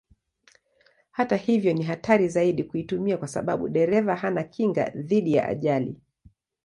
Hata hivyo ni hatari zaidi kuitumia kwa sababu dereva hana kinga dhidi ya ajali.